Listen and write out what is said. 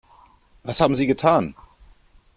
Was haben Sie getan?